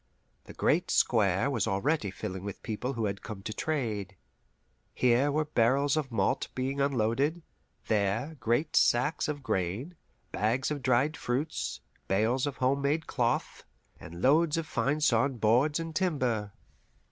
The great square was already filling with people who had come to trade. Here were barrels of malt being unloaded; there, great sacks of grain, bags of dried fruits, bales of home made cloth, and loads of fine sawn boards and timber.